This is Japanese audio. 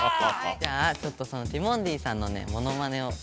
じゃあちょっとそのティモンディさんのねやればできる！